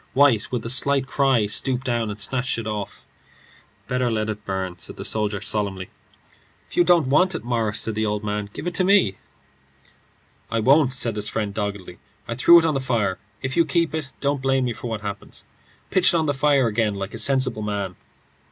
White, with a slight cry, stooped down and snatched it off. "Better let it burn," said the soldier, solemnly. "If you don't want it, Morris," said the other, "give it to me." "I won't," said his friend, doggedly. "I threw it on the fire. If you keep it, don't blame me for what happens. Pitch it on the fire again like a sensible man."